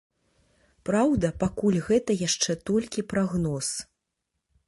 Праўда, пакуль гэта яшчэ толькі прагноз.